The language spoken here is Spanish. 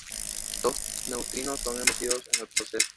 Dos neutrinos son emitidos en el proceso.